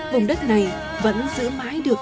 vùng đất này vẫn giữ mãi được